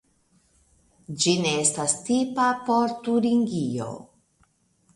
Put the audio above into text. Ĝi ne estas tipa por Turingio.